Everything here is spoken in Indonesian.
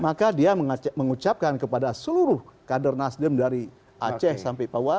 maka dia mengucapkan kepada seluruh kader nasdem dari aceh sampai papua